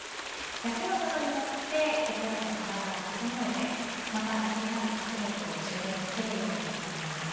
休むことによって心と体を整えてまた走り出す活力を充電できるように思います。